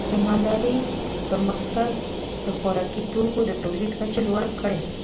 د مالدارۍ پرمختګ د خوراکي توکو د تولید کچه لوړه کړې.